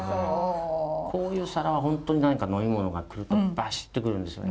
こういう皿は本当に何か飲み物が来るとバシッとくるんですよね。